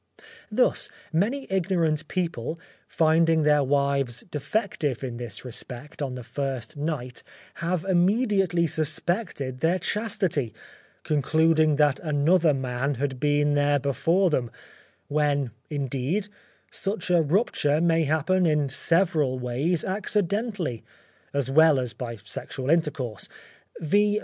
Thus many ignorant people, finding their wives defective in this respect on the first night, have immediately suspected their chastity, concluding that another man had been there before them, when indeed, such a rupture may happen in several ways accidentally, as well as by sexual intercourse, viz.